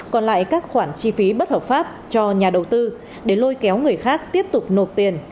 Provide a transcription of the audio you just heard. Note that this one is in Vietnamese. còn lại các khoản chi phí bất hợp pháp cho nhà đầu tư để lôi kéo người khác tiếp tục nộp tiền